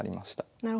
なるほど。